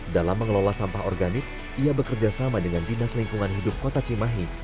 dalam mengelola sampah organik ia bekerja sama dengan dinas lingkungan hidup kota cimahi